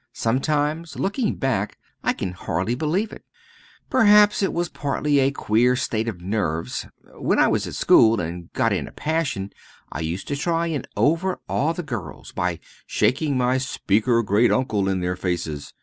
sometimes looking back I can hardly believe it perhaps it was partly a queer state of nerves. When I was at school and got in a passion I used to try and overawe the girls by shaking my Speaker great uncle in their faces.